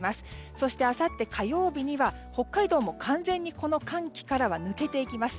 そしてあさって火曜日には北海道も完全に寒気から抜けていきます。